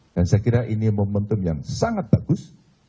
dan saya kira ini momentum yang sangat bagus